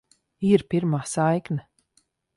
Ir pirmā saikne.